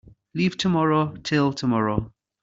Leave tomorrow till tomorrow.